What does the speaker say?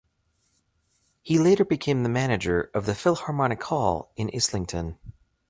He later became the manager of the Philharmonic Hall in Islington.